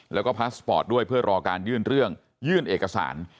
แล้วก็พาสปอร์ตด้วยเพื่อรอการยื่นเรื่องยื่นเอกสาร